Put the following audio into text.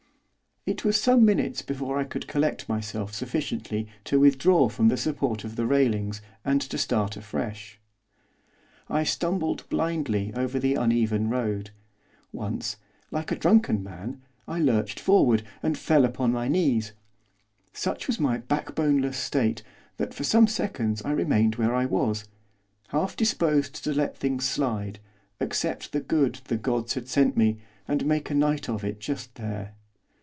It was some minutes before I could collect myself sufficiently to withdraw from the support of the railings, and to start afresh. I stumbled blindly over the uneven road. Once, like a drunken man, I lurched forward, and fell upon my knees. Such was my backboneless state that for some seconds I remained where I was, half disposed to let things slide, accept the good the gods had sent me, and make a night of it just there.